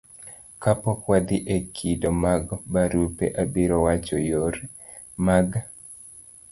kapok wadhi e kido mag barupe, abiro wacho yore mag